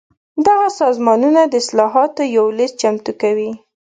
دغه سازمانونه د اصلاحاتو یو لېست چمتو کوي.